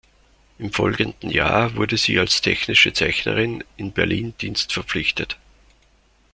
Im folgenden Jahr wurde sie als technische Zeichnerin in Berlin dienstverpflichtet.